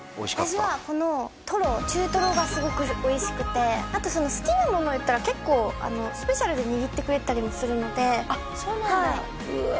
私はこのトロ中トロがすごくおいしくてあと好きなものを言ったら結構スペシャルで握ってくれたりもするのであっそうなんだうわ